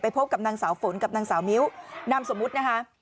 พบกับนางสาวฝนกับนางสาวมิ้วนามสมมุตินะคะ